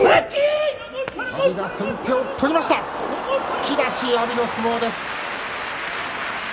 突き出し、阿炎の相撲です。